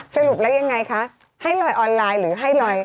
สรุปแล้วยังไงคะให้ลอยออนไลน์หรือให้ลอย